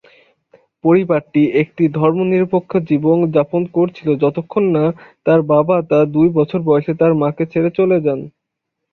পরিবারটি একটি ধর্মনিরপেক্ষ জীবন যাপন করেছিল যতক্ষণ না তার বাবা তার দুই বছর বয়সে তার মাকে ছেড়ে চলে যান।